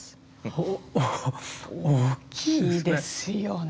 お大きいですね。